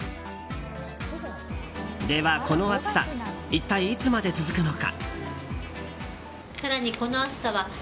では、この暑さ一体いつまで続くのか。